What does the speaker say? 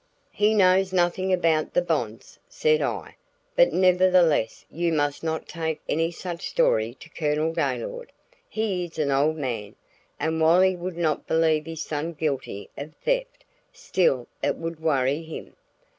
"He knows nothing about the bonds," said I, "but nevertheless you must not take any such story to Colonel Gaylord. He is an old man, and while he would not believe his son guilty of theft, still it would worry him.